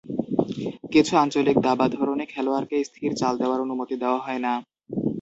কিছু আঞ্চলিক দাবা ধরনে খেলোয়াড়কে স্থির চাল দেওয়ার অনুমতি দেওয়া হয় না।